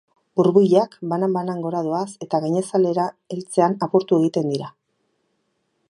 Burbuilak banan-banan gora doaz eta gainazalera heltzean apurtu egiten dira.